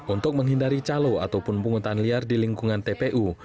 untuk menghindari calo ataupun pungutan liar di lingkungan tpu